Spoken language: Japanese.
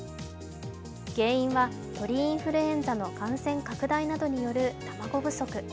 原因は鳥インフルエンザの感染拡大などによる卵不足。